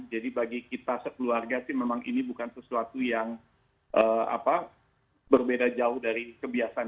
jadi bagi kita sekeluarga sih memang ini bukan sesuatu yang apa berbeda jauh dari kebiasaan